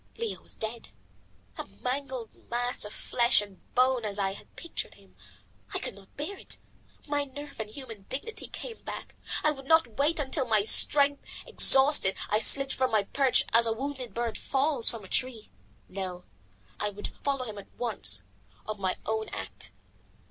Leo was dead, a mangled mass of flesh and bone as I had pictured him. I could not bear it. My nerve and human dignity came back. I would not wait until, my strength exhausted, I slid from my perch as a wounded bird falls from a tree. No, I would follow him at once, of my own act.